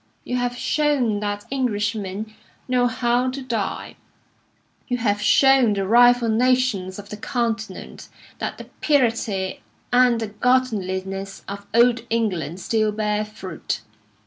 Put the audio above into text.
You have shown that Englishmen know how to die; you have shown the rival nations of the Continent that the purity and the godliness of Old England still bear fruit.